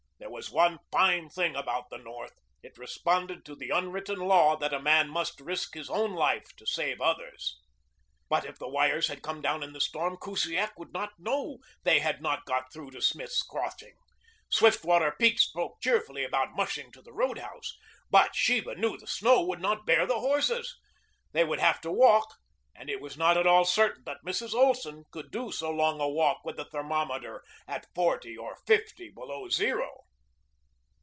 That was one fine thing about the North. It responded to the unwritten law that a man must risk his own life to save others. But if the wires had come down in the storm Kusiak would not know they had not got through to Smith's Crossing. Swiftwater Pete spoke cheerfully about mushing to the roadhouse. But Sheba knew the snow would not bear the horses. They would have to walk, and it was not at all certain that Mrs. Olson could do so long a walk with the thermometer at forty or fifty below zero.